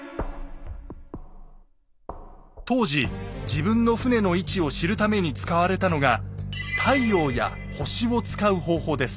当時自分の船の位置を知るために使われたのが太陽や星を使う方法です。